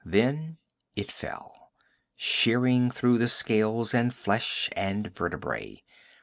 Then it fell, shearing through the scales and flesh and vertebrae.